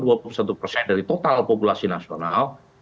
untuk persen dari total populasi nasional